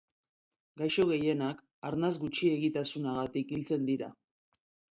Gaixo gehienak arnas-gutxiegitasunagatik hiltzen dira.